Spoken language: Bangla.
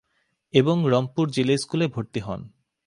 এবং রংপুর জিলা স্কুলে ভর্তি হন।